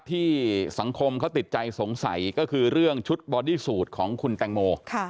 ที่สังคมเขาติดใจสงสัยก็คือเรื่องชุดบอดี้สูตรของคุณแตงโม